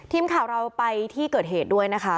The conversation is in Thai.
ทีมข่าวเราไปที่เกิดเหตุด้วยนะคะ